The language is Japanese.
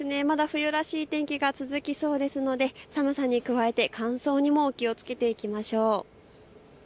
まだ冬らしい天気が続きそうですので寒さに加えて乾燥にも気をつけていきましょう。